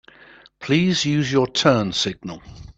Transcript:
Please use your turn signal.